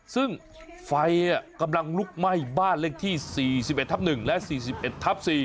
ซึ่งไฟกำลังลุกไหม้บ้านเลขที่๔๑ทับ๑และ๔๑ทับ๔